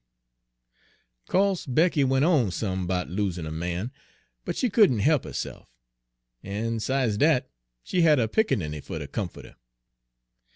"Co'se Becky went on some 'bout losin' her man, but she couldn' he'p herse'f; en 'sides dat, she had her pickaninny Page 138 fer ter comfo't her.